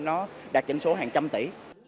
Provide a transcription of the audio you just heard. nó đạt trịnh số hàng trăm tỷ